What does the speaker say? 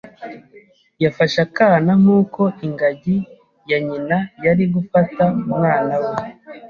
Yafashe akana nkuko ingagi ya nyina yari gufata umwana we.